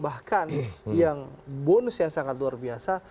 bahkan yang bonus yang sangat luar biasa